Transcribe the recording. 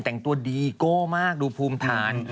แต่งตัวดีโก้มากดูภูมิฐาน